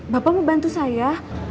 bapak mau bantu saya